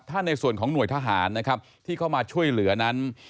ถ้าในส่วนของหน่วยทหารนะครับที่เข้ามาช่วยเหลือนั้น